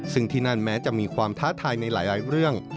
ซึ่งที่นั่นแม้จะมีความท้าทายในหลายเรื่อง